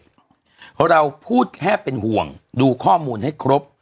เราพูดแค่เป็นห่วงดูข้อมูลให้ครบ